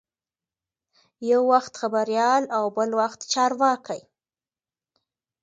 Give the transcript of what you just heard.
یو وخت خبریال او بل وخت چارواکی.